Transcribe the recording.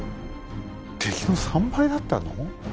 敵の３倍だったの？